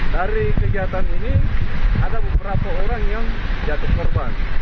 dari kegiatan ini ada beberapa orang yang jatuh korban